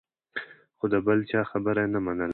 خو د بل چا خبره یې نه منله.